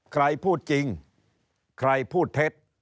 ใครพูดจริงใครพูดเท็จ